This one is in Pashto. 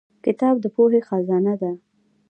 • کتاب د پوهې خزانه ده.